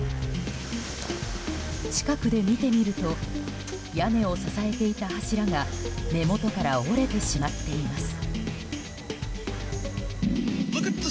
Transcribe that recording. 近くで見てみると屋根を支えていた柱が根元から折れてしまっています。